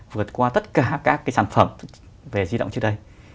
vượt qua tất cả các cái sản phẩm về di động trước đây